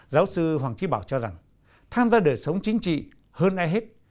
giáo sư hoàng trí bảo cho rằng tham gia đời sống chính trị hơn ai hết